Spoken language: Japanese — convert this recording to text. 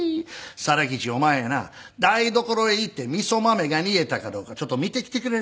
定吉お前な台所へ行って味噌豆が煮えたかどうかちょっと見てきてくれ。